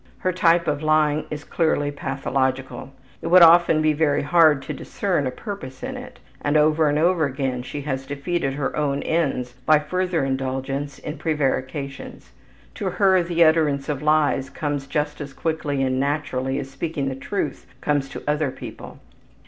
Her type of lying is clearly pathological. It would often be very hard to discern a purpose in it, and over and over again she has defeated her own ends by further indulgence in prevarications. To her the utterance of lies comes just as quickly and naturally as speaking the truth comes to other people.